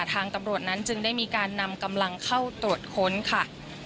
ทางตำรวจนั้นจึงได้มีการนำกำลังเข้าตรวจค้นค่ะ